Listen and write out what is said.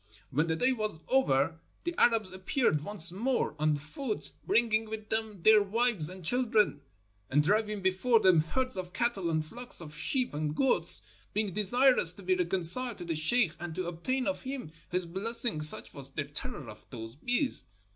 "When the day was over, the Arabs appeared once more on foot, bringing with them their wives and chil dren, and driving before them herds of cattle and flocks of sheep and goats, being desirous to be reconciled to the sheikh and to obtain of him his blessing, such was their terror of those bees.